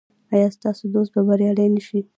ایا ستاسو دوست به بریالی نه شي؟